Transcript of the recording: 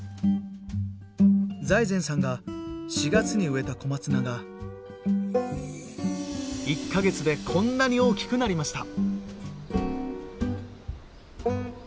財前さんが４月に植えた小松菜が１か月でこんなに大きくなりました。